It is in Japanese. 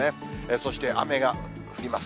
そして雨が降ります。